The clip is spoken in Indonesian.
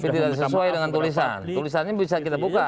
tidak sesuai dengan tulisan tulisannya bisa kita buka